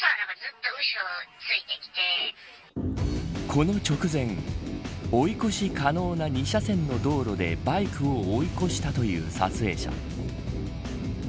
この直前追い越し可能な２車線の道路でバイクを追い越したという撮影者。